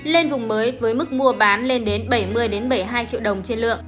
lên vùng mới với mức mua bán lên đến bảy mươi bảy mươi hai triệu đồng trên lượng